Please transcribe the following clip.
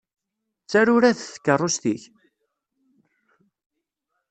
D taruradt tkeṛṛust-ik?